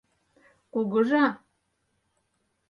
Кугыжа?